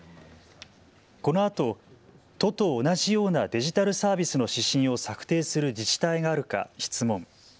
このあと、都と同じようなデジタルサービスの指針を策定する自治体があるか質問。